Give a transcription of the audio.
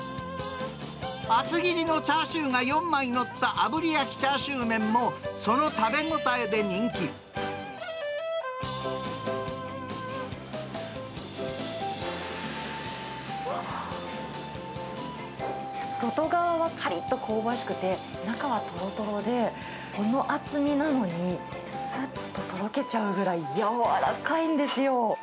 厚切りのチャーシューが４枚載ったあぶり焼チャーシューメンも、あっ、外側はかりっと香ばしくて、中はとろとろで、この厚みなのに、すっととろけちゃうぐらい柔らかいんですよ。